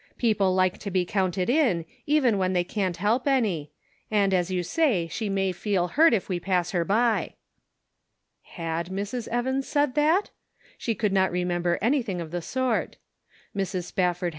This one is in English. People like to be counted in, even when they can't help any ; and, as you say, she may feel hurt if we pass her by." Had Mrs. Evans said that ? She could not remember anything of the sort. Mrs. Spafford 68 The Pocket Measure.